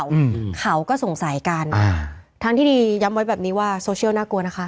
อืมเขาก็สงสัยกันอ่าทางที่ดีย้ำไว้แบบนี้ว่าโซเชียลน่ากลัวนะคะ